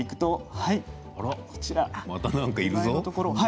またなんかいるぞ。